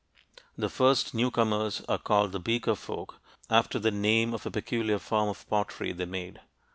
The first newcomers are called the Beaker folk, after the name of a peculiar form of pottery they made.